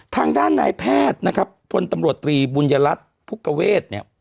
ทางด้านนายแพทย์นะครับพลตำรวจตรีบุญยรัฐภุกเวศเนี่ย